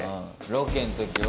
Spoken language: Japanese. ロケん時は。